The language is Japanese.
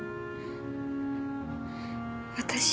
私